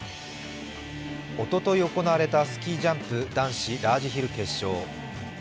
おととい行われたスキージャンプ男子ラージヒル決勝。